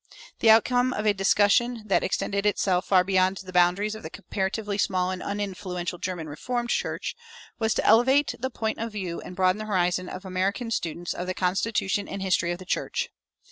The outcome of a discussion that extended itself far beyond the boundaries of the comparatively small and uninfluential German Reformed Church was to elevate the point of view and broaden the horizon of American students of the constitution and history of the church.